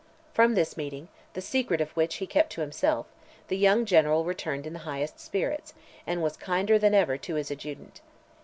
From this meeting—the secret of which he kept to himself—the young general returned in the highest spirits, and was kinder than ever to his adjutant.